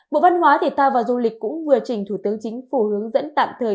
bộ văn hóa thể thao và du lịch cũng vừa trình thủ tướng chính phủ hướng dẫn tạm thời